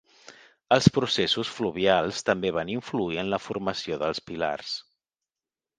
Els processos fluvials també van influir en la formació dels pilars.